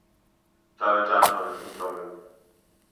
Cały czas mamy z tym problem